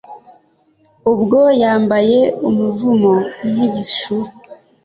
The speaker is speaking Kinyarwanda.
Ubwo yambaye umuvumo nk’igishura